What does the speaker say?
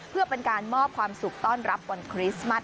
เพื่อเป็นการมอบความสุขต้อนรับวันคริสต์มัส